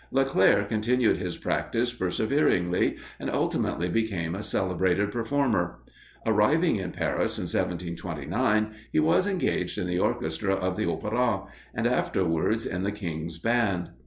Leclair continued his practice perseveringly, and ultimately became a celebrated performer. Arriving in Paris in 1729, he was engaged in the orchestra of the Opera, and afterwards in the king's band.